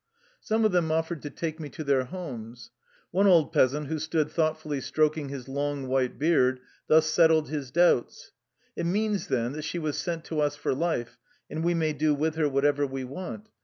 Some of them offered to take me to their homes. One old peasant who stood thoughtfully striking his long, white beard thus settled his doubts :" It means, then, that she was sent to us for life and we may do with her whatever we want.